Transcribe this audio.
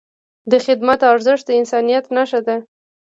د خدمت ارزښت د انسانیت نښه ده.